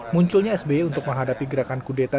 munculnya sby untuk menghadapi gerakan kudeta